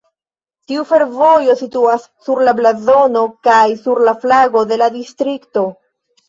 Tiu fervojo situas sur la blazono kaj sur la flago de la distrikto.